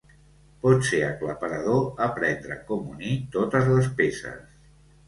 Pot ser aclaparador aprendre com unir totes les peces.